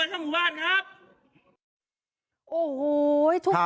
ทุกอย่างบอกเล่าเรื่องราว